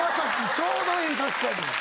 ちょうどいい確かに。